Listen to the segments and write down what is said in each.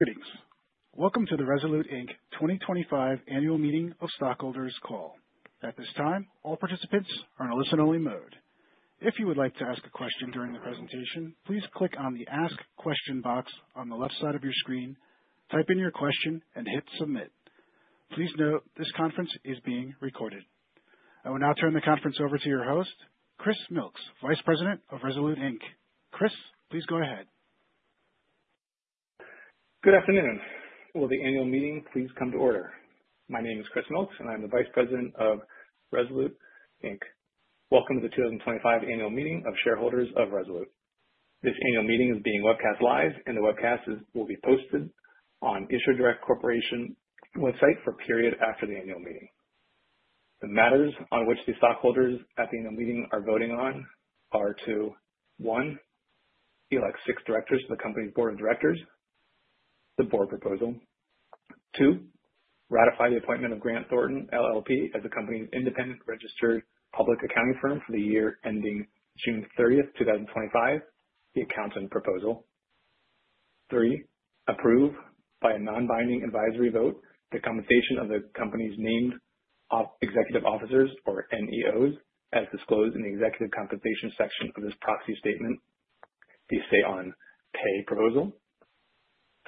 Greetings. Welcome to the Rezolute, Inc. 2025 Annual Meeting of Stockholders call. At this time, all participants are in a listen-only mode. If you would like to ask a question during the presentation, please click on the Ask Question box on the left side of your screen, type in your question, and hit Submit. Please note this conference is being recorded. I will now turn the conference over to your host, Chris Milks, Vice President of Rezolute, Inc. Chris, please go ahead. Good afternoon. Will the annual meeting please come to order? My name is Chris Milks, and I'm the Vice President of Resolute Inc. Welcome to the 2025 Annual Meeting of Shareholders of Resolute. This annual meeting is being webcast live, and the webcast will be posted on Issuer Direct Corporation website for a period after the annual meeting. The matters on which the stockholders at the annual meeting are voting on are to: one, elect six directors to the company's board of directors. The board proposal. Two, ratify the appointment of Grant Thornton, LLP, as the company's independent registered public accounting firm for the year ending June 30, 2025. The accountant proposal. Three, approve by a non-binding advisory vote the compensation of the company's named executive officers, or NEOs, as disclosed in the executive compensation section of this proxy statement. The say-on-pay proposal.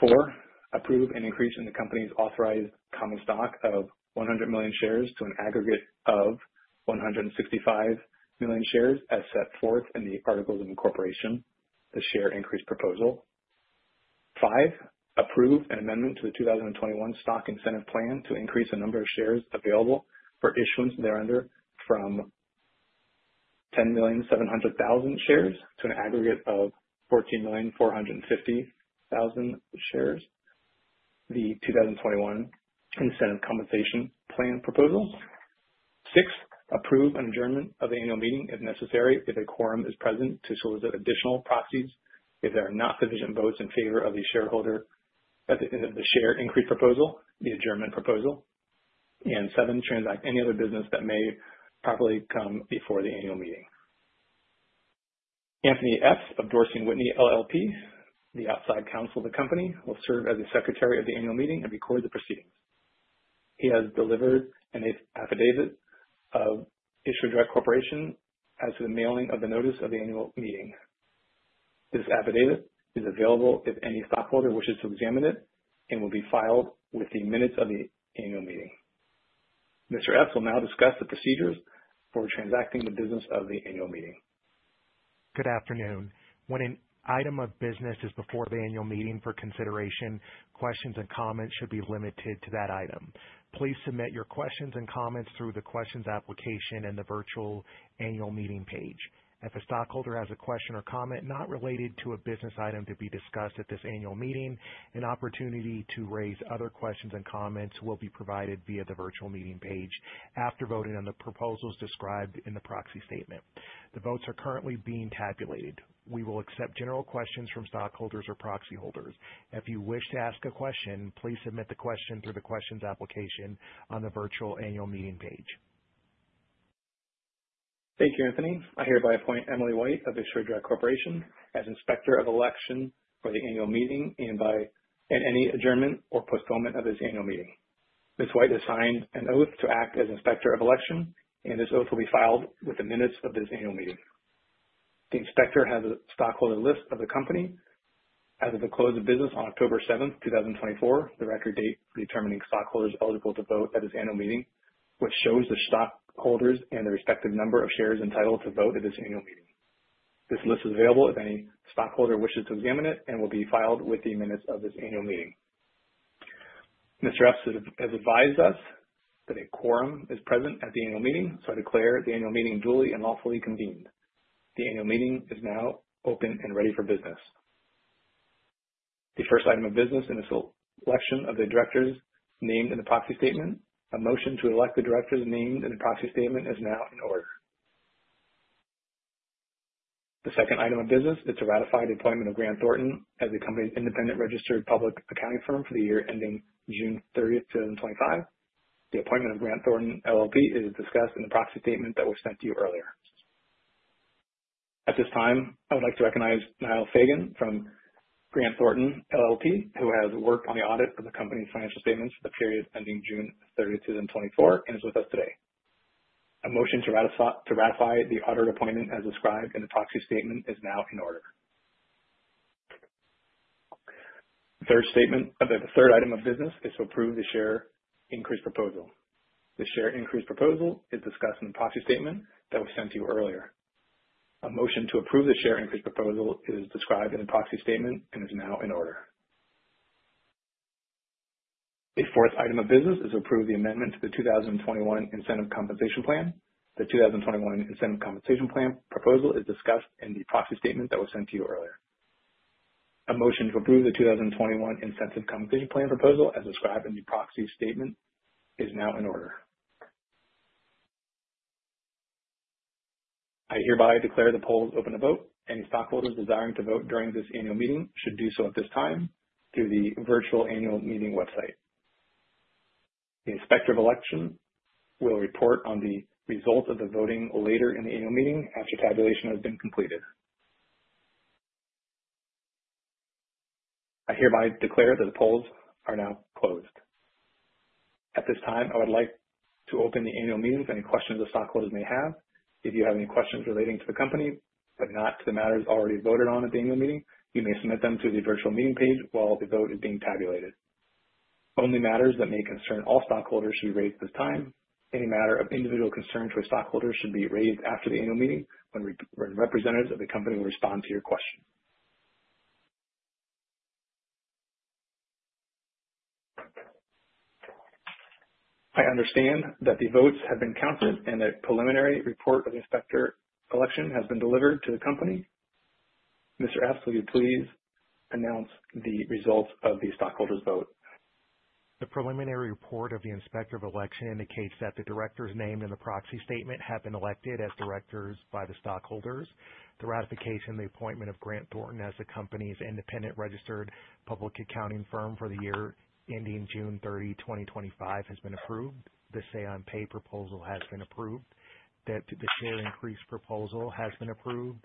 Four, approve an increase in the company's authorized common stock of 100 million shares to an aggregate of 165 million shares as set forth in the Articles of Incorporation. The share increase proposal. Five, approve an amendment to the 2021 Stock Incentive Plan to increase the number of shares available for issuance thereunder from 10,700,000 shares to an aggregate of 14,450,000 shares. The 2021 Stock Incentive Plan proposal. Six, approve an adjournment of the annual meeting if necessary, if a quorum is present, to solicit additional proxies if there are not sufficient votes in favor of the share increase proposal at the end of the share increase proposal. The adjournment proposal. And seven, transact any other business that may properly come before the annual meeting. Anthony Epps of Dorsey & Whitney LLP, the outside counsel of the company, will serve as the secretary of the annual meeting and record the proceedings. He has delivered an affidavit of Issuer Direct Corporation as to the mailing of the notice of the annual meeting. This affidavit is available if any stockholder wishes to examine it and will be filed with the minutes of the annual meeting. Mr. Epps will now discuss the procedures for transacting the business of the annual meeting. Good afternoon. When an item of business is before the annual meeting for consideration, questions and comments should be limited to that item. Please submit your questions and comments through the questions application in the virtual annual meeting page. If a stockholder has a question or comment not related to a business item to be discussed at this annual meeting, an opportunity to raise other questions and comments will be provided via the virtual meeting page after voting on the proposals described in the proxy statement. The votes are currently being tabulated. We will accept general questions from stockholders or proxy holders. If you wish to ask a question, please submit the question through the questions application on the virtual annual meeting page. Thank you, Anthony. I hereby appoint Emily White of IssuerDirect Corporation as inspector of election for the annual meeting and by any adjournment or postponement of this annual meeting. Ms. White has signed an oath to act as inspector of election, and this oath will be filed with the minutes of this annual meeting. The inspector has a stockholder list of the company as of the close of business on October 7, 2024, the record date determining stockholders eligible to vote at this annual meeting, which shows the stockholders and the respective number of shares entitled to vote at this annual meeting. This list is available if any stockholder wishes to examine it and will be filed with the minutes of this annual meeting. Mr. F. has advised us that a quorum is present at the annual meeting, so I declare the annual meeting duly and lawfully convened. The annual meeting is now open and ready for business. The first item of business in this election of the directors named in the proxy statement, a motion to elect the directors named in the proxy statement is now in order. The second item of business is to ratify the appointment of Grant Thornton LLP as the company's independent registered public accounting firm for the year ending June 30, 2025. The appointment of Grant Thornton LLP is discussed in the proxy statement that was sent to you earlier. At this time, I would like to recognize Niall Fagan from Grant Thornton LLP, who has worked on the audit of the company's financial statements for the period ending June 30, 2024, and is with us today. A motion to ratify the auditor appointment as described in the proxy statement is now in order. The third item of business is to approve the share increase proposal. The share increase proposal is discussed in the proxy statement that was sent to you earlier. A motion to approve the share increase proposal is described in the proxy statement and is now in order. The fourth item of business is to approve the amendment to the 2021 Stock Incentive Plan. The 2021 Stock Incentive Plan proposal is discussed in the proxy statement that was sent to you earlier. A motion to approve the 2021 Stock Incentive Plan proposal as described in the proxy statement is now in order. I hereby declare the polls open to vote. Any stockholders desiring to vote during this annual meeting should do so at this time through the virtual annual meeting website. The inspector of election will report on the results of the voting later in the annual meeting after tabulation has been completed. I hereby declare that the polls are now closed. At this time, I would like to open the annual meeting for any questions the stockholders may have. If you have any questions relating to the company but not to the matters already voted on at the annual meeting, you may submit them to the virtual meeting page while the vote is being tabulated. Only matters that may concern all stockholders should be raised at this time. Any matter of individual concern to a stockholder should be raised after the annual meeting when representatives of the company will respond to your question. I understand that the votes have been counted and that a preliminary report of the inspector of election has been delivered to the company. Mr. F., will you please announce the results of the stockholders' vote? The preliminary report of the inspector of election indicates that the directors named in the proxy statement have been elected as directors by the stockholders. The ratification of the appointment of Grant Thornton as the company's independent registered public accounting firm for the year ending June 30, 2025, has been approved. The Say-on-pay proposal has been approved. The share increase proposal has been approved.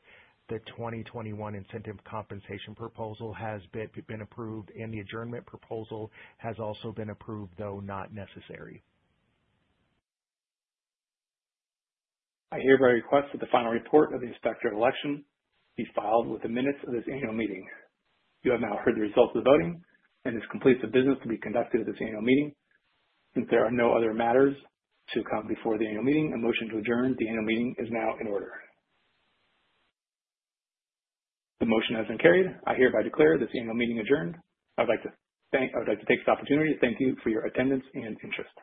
The 2021 Incentive Compensation proposal has been approved, and the adjournment proposal has also been approved, though not necessary. I hereby request that the final report of the inspector of election be filed with the minutes of this annual meeting. You have now heard the results of the voting, and this completes the business to be conducted at this annual meeting. Since there are no other matters to come before the annual meeting, a motion to adjourn the annual meeting is now in order. The motion has been carried. I hereby declare this annual meeting adjourned. I would like to take this opportunity to thank you for your attendance and interest.